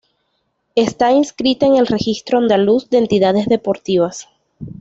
Está inscrita en el Registro Andaluz de Entidades Deportivas.